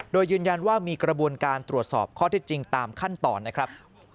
โดยยืนยันว่ามีกระบวนการตรวจสอบข้อที่จริงตามขั้นตอนนะครับ